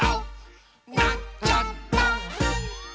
「なっちゃった！」